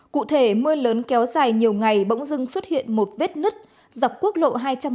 cụ thể mưa lớn kéo dài nhiều ngày bỗng dưng xuất hiện một vết nứt dọc quốc lộ hai trăm năm mươi